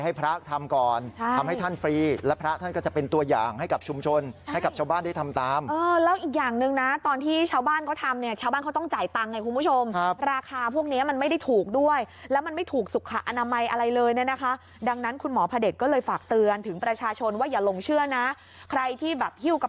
ได้ทำตามซึ่งราคาก็ไม่ได้ถูกนะครับ